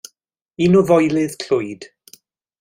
Un o foelydd Clwyd.